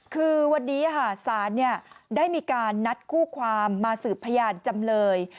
คือวันนี้ศาลได้มีการนัดคู่ความมาสืบพยานจำเลย